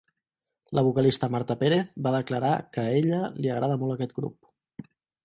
La vocalista Marta Pérez va declarar que a ella li agrada molt aquest grup.